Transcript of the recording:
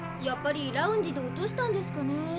やっぱりラウンジで落としたんですかね